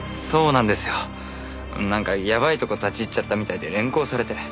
なんかやばいとこ立ち入っちゃったみたいで連行されて。